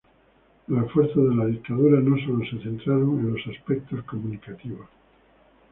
Los esfuerzos de la dictadura no sólo se centraron en los aspectos comunicativos.